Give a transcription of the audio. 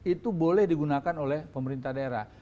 itu boleh digunakan oleh pemerintah daerah